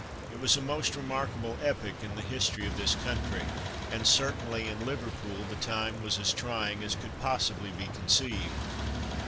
It was a most remarkable epoch in the history of this country, and certainly in Liverpool the time was as trying as could possibly be conceived.